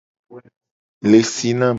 Le si nam.